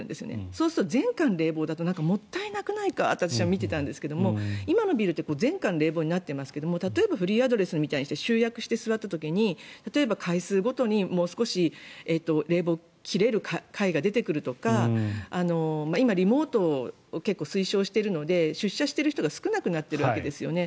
そうすると全館冷房だともったいなくないかと私は思っていたんですが今のビルって全館冷房になっていますけど例えば、フリーアドレスにして集約して座った時に例えば階数ごとにもう少し冷房を切れる階が出てくるとか今、リモートを結構推奨しているので出社している人が少なくなっているわけですよね。